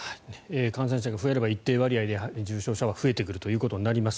感染者が増えれば一定割合で重症者は増えてくるということになります。